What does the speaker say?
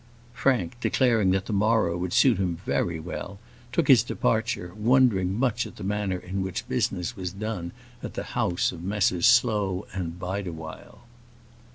Frank, declaring that the morrow would suit him very well, took his departure, wondering much at the manner in which business was done at the house of Messrs Slow & Bideawhile.